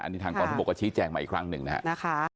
อันนี้ทางกองทบกภัณฑ์ก็ชี้แจกมาอีกครั้งหนึ่งนะฮะ